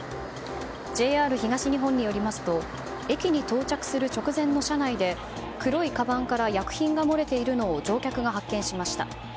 ＪＲ東日本によりますと駅に到着する直前の車内で黒いかばんから薬品が漏れているのを乗客が発見しました。